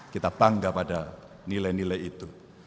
kita bangga pada nilai nilai itu